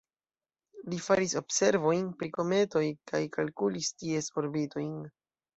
Li faris observojn pri kometoj kaj kalkulis ties orbitojn.